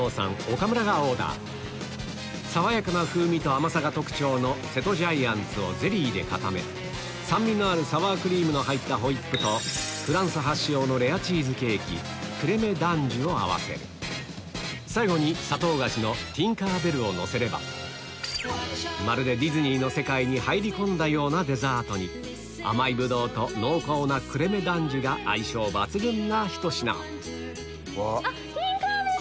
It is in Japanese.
岡村がオーダー爽やかな風味と甘さが特徴の瀬戸ジャイアンツをゼリーで固め酸味のあるサワークリームの入ったホイップと合わせる最後に砂糖菓子のティンカーベルをのせればまるでディズニーの世界に入り込んだようなデザートに甘いブドウと濃厚なクレメ・ダンジュが相性抜群なひと品ティンカーベル！